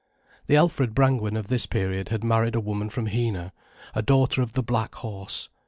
The Alfred Brangwen of this period had married a woman from Heanor, a daughter of the "Black Horse".